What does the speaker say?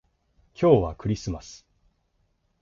今日はクリスマス